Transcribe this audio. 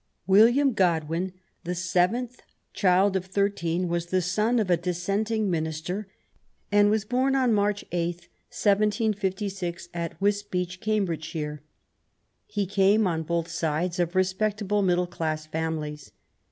William Godwin, the seventh child of thirteen^ was the son of a Dissenting minister, and was bom March 8, 175(), at Wisbeach^ Cambridgeshire. He came on l>oth sides of respectable middle class families.